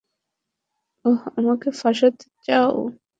ওহ, আমাকে ফাঁসাতে চাও?